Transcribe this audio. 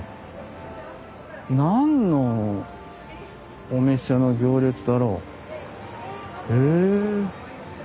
何のお店の行列だろう？へえ。